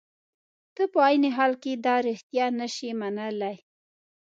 ته په عین حال کې دا رښتیا نشې منلای.